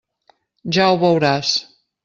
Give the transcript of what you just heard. Ja ho veuràs.